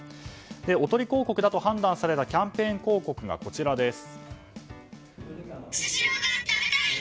おとり広告だと判断されたキャンペーン広告がこちらです。